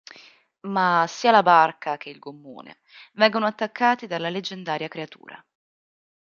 Ma sia la barca che il gommone vengono attaccati dalla leggendaria creatura.